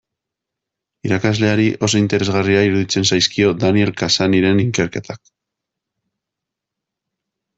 Irakasleari oso interesgarria iruditzen zaizkio Daniel Cassanyren ikerketak.